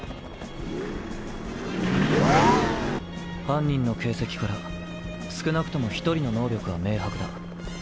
犯人の形跡から少なくとも１人の能力は明白だ。